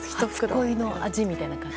初恋の味みたいな感じ？